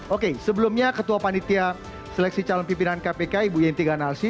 oke sebelumnya ketua panitia seleksi calon pimpinan kpk ibu yenti ganalsi